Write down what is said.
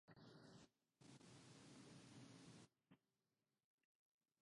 Products include triangular crayons and flat-tipped markers.